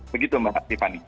begitu mbak tiffany